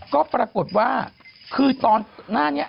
ก็ปรากฏว่าคือตอนหน้านี้